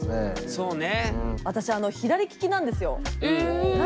そうね。